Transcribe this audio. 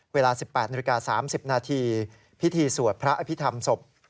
เวลา๑๘น๓๐นพิธีสวดพระอภิษฐรรมศพ